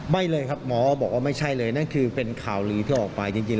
ไม่เลยครับหมอบอกว่าไม่ใช่เลยนั่นคือเป็นข่าวลือที่ออกไปจริง